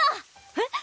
えっ？